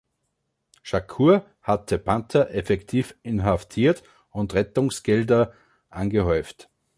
Shakur hatte Panther effektiv inhaftiert und Rettungsgelder angehäuft.